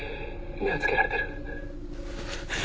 目を付けられてる。